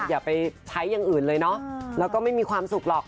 อย่าไปใช้อย่างอื่นเลยเนาะแล้วก็ไม่มีความสุขหรอก